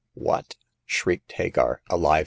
" What !" shrieked Hagar, aliv^ ^.